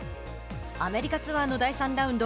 アメリカツアーの第３ラウンド。